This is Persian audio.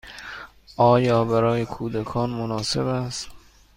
آیا برای کودکان مناسب است؟